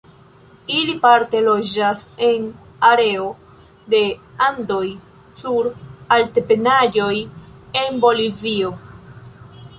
Ili parte loĝas en areo de Andoj sur altebenaĵoj en Bolivio.